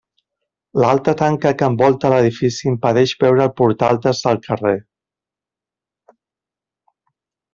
L'alta tanca que envolta l'edifici impedeix veure el portal des del carrer.